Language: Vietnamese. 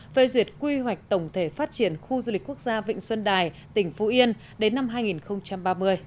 về duyệt quy hoạch tổng thể phát triển khu du lịch quốc gia vịnh xuân đài tỉnh phú yên đến năm hai nghìn ba mươi